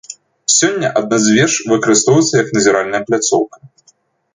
Сёння адна з веж выкарыстоўваецца як назіральная пляцоўка.